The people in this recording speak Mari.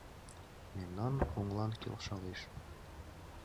Мемнан оҥлан келшалеш.